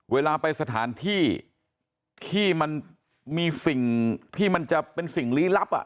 เวลาไปสถานที่ที่มันมีสิ่งที่มันจะเป็นสิ่งลี้ลับอ่ะ